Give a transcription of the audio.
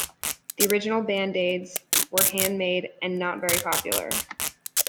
The original Band-Aids were handmade and not very popular.